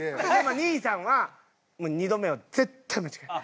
兄さんは２度目は絶対間違えない。